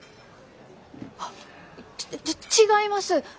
あっち違います！